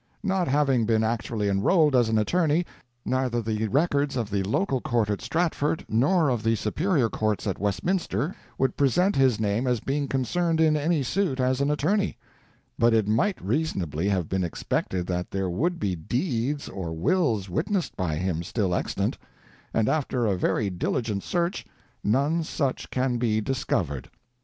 Not having been actually enrolled as an attorney, neither the records of the local court at Stratford nor of the superior Courts at Westminster would present his name as being concerned in any suit as an attorney, but it might reasonably have been expected that there would be deeds or wills witnessed by him still extant, and after a very diligent search none such can be discovered."